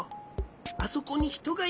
あそこにひとがいる。